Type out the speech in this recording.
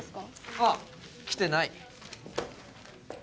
ああ来てない